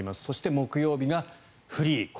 そして、木曜日がフリー。